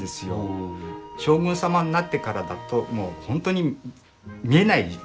将軍様になってからだともう本当に見えないような。